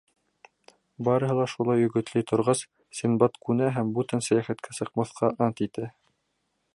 Барыһы ла шулай өгөтләй торғас, Синдбад күнә һәм бүтән сәйәхәткә сыҡмаҫҡа ант итә.